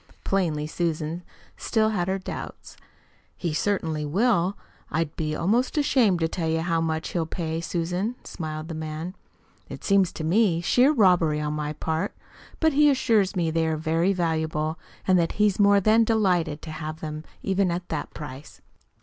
Plainly Susan still had her doubts. "He certainly will. I'd be almost ashamed to tell you HOW much he'll pay, Susan," smiled the man. "It seemed to me sheer robbery on my part. But he assures me they are very valuable, and that he's more than delighted to have them even at that price."